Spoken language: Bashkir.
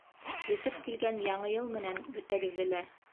Етеп килгән Яңы йыл менән бөтәгеҙҙе лә...